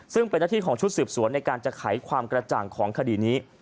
ซึ่งเป็นหน้าที่ของชุดสืบสวนในการจะไขความกระจ่างของคดีนี้